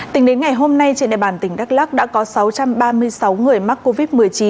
tính đến ngày hôm nay trên đại bàn tỉnh đắk lắc đã có sáu trăm ba mươi sáu người mắc covid một mươi chín